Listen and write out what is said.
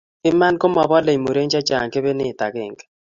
Iman komobolei murek chechang kebenet agenge